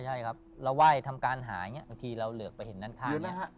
ใช่ครับเราไหว้ทำการหาเนี่ยเมื่อกี้เราเหลือกไปเห็นนั้นข้างเนี่ย